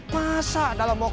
masa dalam rumah